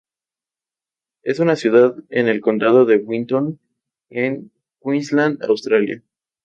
Es una ciudad en el Condado de Winton en Queensland, Australia.